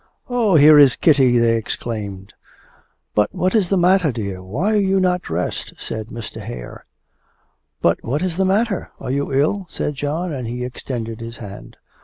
'Oh, here is Kitty!' they exclaimed. 'But what is the matter, dear? Why are you not dressed?' said Mr. Hare. 'But what is the matter? ... Are you ill?' said John, and he extended his hand.